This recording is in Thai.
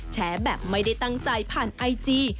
แบบไม่ได้ตั้งใจผ่านไอจี